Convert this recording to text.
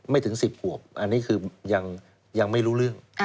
ถึง๑๐ขวบอันนี้คือยังไม่รู้เรื่อง